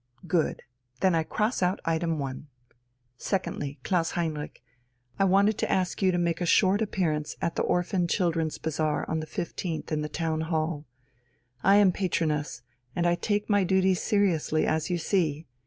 Good, then I cross out item 1. Secondly, Klaus Heinrich, I wanted to ask you to make a short appearance at the Orphan Children's Bazaar on the 15th in the Town Hall. I am patroness, and I take my duties seriously, as you see.